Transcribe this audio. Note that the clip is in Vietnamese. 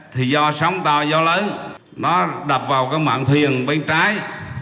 thì do sóng tàu do lớn nó đập vào mạng thuyền bên trái